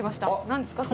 何ですか？